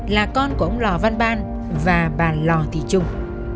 là con của ông lò văn ban và bà lò thị trung